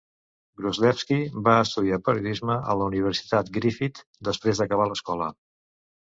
Gruzlewski va estudiar periodisme a la Universitat Griffith després d'acabar l'escola.